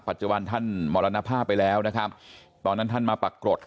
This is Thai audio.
ท่านมรณภาพไปแล้วนะครับตอนนั้นท่านมาปรากฏ